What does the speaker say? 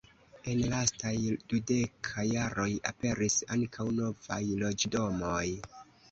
En lastaj dudeka jaroj aperis ankaŭ novaj loĝdomoj.